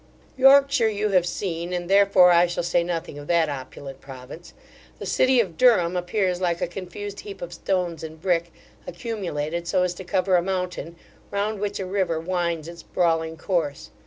Yorkshire you have seen, and therefore I shall say nothing of that opulent province. The city of Durham appears like a confused heap of stones and brick, accumulated so as to cover a mountain, round which a river winds its brawling course.